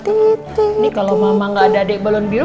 ini kalau mama gak ada adik balon biru